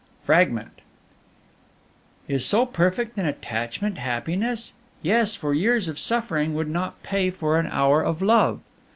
FRAGMENT. "Is so perfect an attachment happiness? Yes, for years of suffering would not pay for an hour of love.